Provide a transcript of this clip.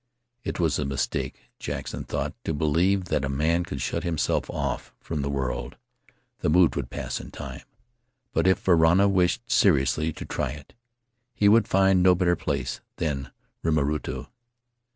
It was a mistake — Jackson thought — to believe that a man could shut himself off from the world; the mood would pass in time, but if Varana wished seriously to try it, he would find no better place than Rimarutu.